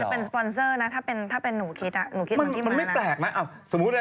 โอ้อาจจะเป็นสปอนเซอร์นะถ้าเป็นหนูคิดอะ